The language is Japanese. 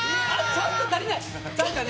ちょっと足りない！